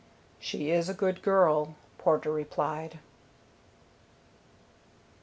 "She is a good girl," Porter replied.